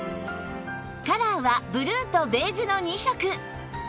カラーはブルーとベージュの２色